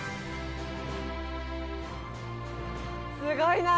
すごいな！